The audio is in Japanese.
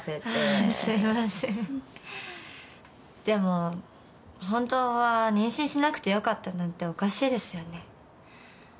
でも本当は妊娠しなくてよかったなんておかしいですよね。